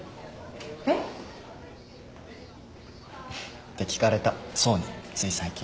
えっ？って聞かれた想につい最近。